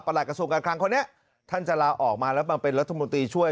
ประหลาดกระทบการคลางเขาเนี่ยท่านจะลาออกมาแล้วบางเป็นรัฐมนตรีช่วย